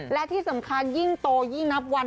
และที่สำคัญยิ่งโตยิ่งนับวัน